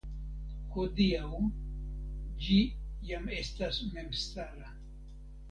Hodiaŭ ĝi jam estas memstara.